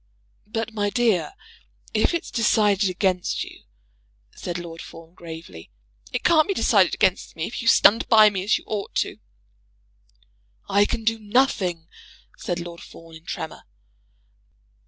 "But, my dear, if it's decided against you " said Lord Fawn gravely. "It can't be decided against me, if you stand by me as you ought to do." "I can do nothing," said Lord Fawn, in a tremor.